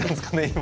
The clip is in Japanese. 今。